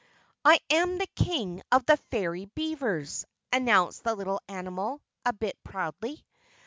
"I am the King of the Fairy Beavers," announced the little animal, a bit proudly.